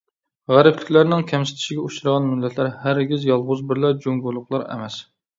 غەربلىكلەرنىڭ كەمسىتىشىگە ئۇچرىغان مىللەتلەر ھەرگىز يالغۇز بىرلا جۇڭگولۇقلار ئەمەس.